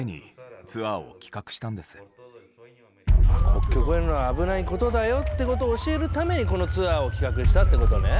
国境を越えるのは危ないことだよってことを教えるためにこのツアーを企画したってことね。